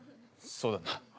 そうだな。